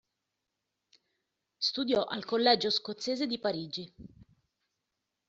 Studiò al Collegio scozzese di Parigi.